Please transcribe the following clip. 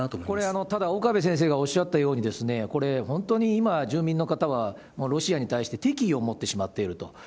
これ、ただ岡部先生がおっしゃったように、これ、本当に今、住民の方はロシアに対して敵意を持ってしまっていると。